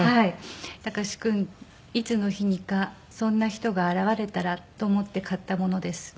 「貴君いつの日にかそんな人が現れたらと思って買った物です」